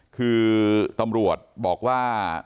คือตำรวจบอกว่า